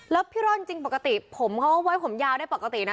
แล้วพี่ร่อนจริงปกติผมเขาไว้ผมยาวได้ปกตินะ